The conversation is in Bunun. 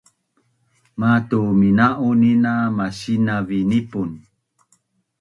Matu mina’un’nin a masinav i nipun